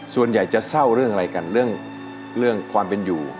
ส่วนใหญ่จะเศร้าเรื่องอะไรกันเรื่องความเป็นอยู่